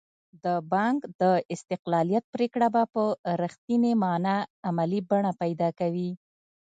د بانک د استقلالیت پرېکړه به په رښتینې معنا عملي بڼه پیدا کوي.